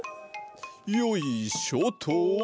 よいしょと！